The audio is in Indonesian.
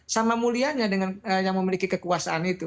sama mulianya dengan yang memiliki kekuasaan itu